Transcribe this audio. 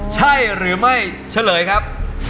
ใช่หรือไม่เฉลยครับ